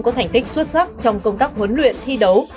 có thành tích xuất sắc trong công tác huấn luyện thi đấu